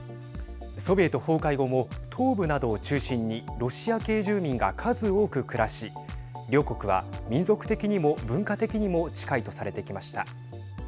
ソビエト崩壊後も東部などを中心にロシア系住民が数多く暮らし両国は民族的にも文化的にも近いとされてきました。